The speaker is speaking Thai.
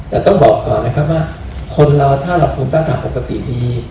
แต่ต้องบอกก่อนนะครับว่าคนเราถ้าเราภูมิต้านทางปกติดี